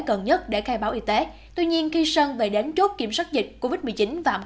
gần nhất để khai báo y tế tuy nhiên khi sơn về đến chốt kiểm soát dịch covid một mươi chín và bốn